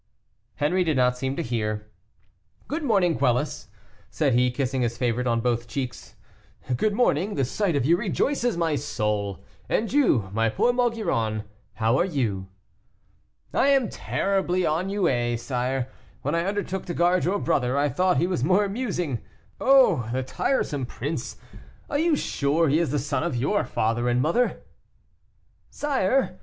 Henri did not seem to hear. "Good morning, Quelus," said he kissing his favorite on both cheeks; "good morning, the sight of you rejoices my soul, and you, my poor Maugiron, how are you?" "I am terribly ennuyé, sire; when I undertook to guard your brother, I thought he was more amusing. Oh! the tiresome prince; are you sure he is the son of your father and mother?" "Sire!